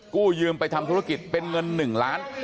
กู้ยืมไปทำธุรกิจเป็นเงิน๑ล้าน